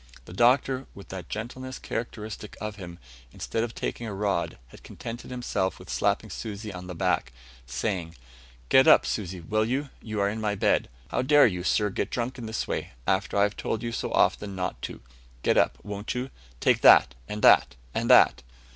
The Doctor, with that gentleness characteristic of him, instead of taking a rod, had contented himself with slapping Susi on the back, saying, "Get up, Susi, will you? You are in my bed. How dare you, sir, get drunk in this way, after I have told you so often not to. Get up. You won't? Take that, and that, and that."